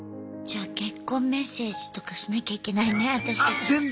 じゃあ結婚メッセージとかしなきゃいけないね私たち。